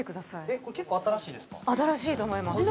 えっこれ新しいと思います